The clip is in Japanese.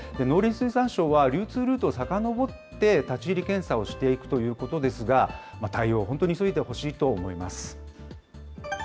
農林水産省は、流通ルートをさかのぼって、立ち入り検査をしていくということですが、対応、本当に急いでほしいと思います。